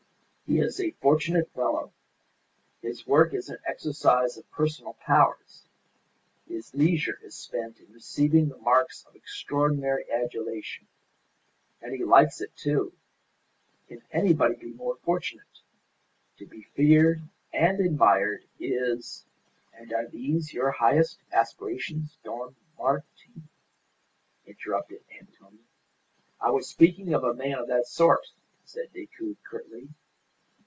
He is a fortunate fellow! His work is an exercise of personal powers; his leisure is spent in receiving the marks of extraordinary adulation. And he likes it, too. Can anybody be more fortunate? To be feared and admired is " "And are these your highest aspirations, Don Martin?" interrupted Antonia. "I was speaking of a man of that sort," said Decoud, curtly.